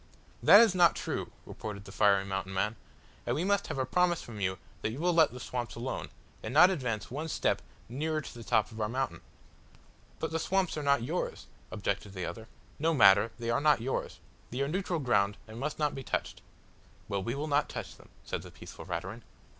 "That is not true," retorted the fiery Mountain man, "and we must have a promise from you that you will let the swamps alone, and not advance one step nearer to the top of our mountain." "But the swamps are not yours," objected the other. "No matter they are not yours. They are neutral ground, and must not be touched." "Well, we will not touch them," said the peaceful Raturan.